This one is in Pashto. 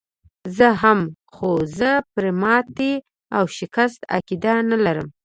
زه هم، خو زه پر ماتې او شکست عقیده نه لرم.